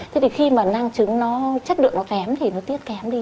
thế thì khi mà năng trứng nó chất lượng nó kém thì nó tiết kém đi